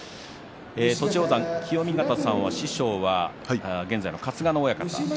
栃煌山、清見潟さんは師匠は現在も春日野親方